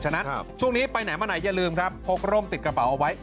ฉะนั้นช่วงนี้ไปไหนมาไหนอย่าลืมครับพกร่มติดกระเป๋าเอาไว้